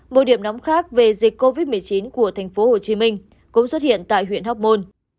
một điểm nóng khác về dịch covid một mươi chín của tp hcm cũng xuất hiện tại huyện hóc môn